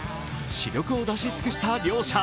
死力を出し尽くした両者。